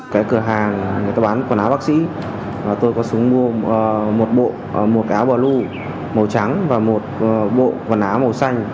cái cửa hàng người ta bán quần áo bác sĩ tôi có xuống mua một áo bà lu màu trắng và một quần áo màu xanh